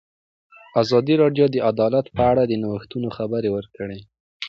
ازادي راډیو د عدالت په اړه د نوښتونو خبر ورکړی.